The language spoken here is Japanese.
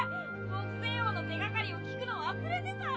朴仙翁の手がかりを聞くの忘れてた。